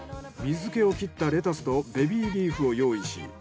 水気を切ったレタスとベビーリーフを用意し。